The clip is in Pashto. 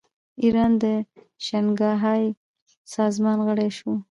ایران د شانګهای سازمان غړی شو.